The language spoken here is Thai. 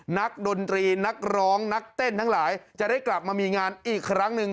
ดนตรีนักร้องนักเต้นทั้งหลายจะได้กลับมามีงานอีกครั้งหนึ่ง